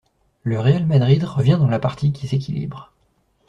Le Real Madrid revient dans la partie qui s'équilibre.